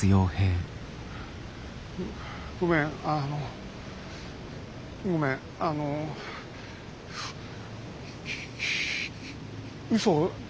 ごめんあのごめんあのふうそを